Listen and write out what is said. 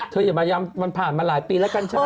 อย่ามายำมันผ่านมาหลายปีแล้วกันใช่ไหม